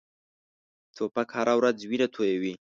توپک هره ورځ وینه تویوي.